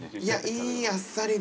いいあっさりで。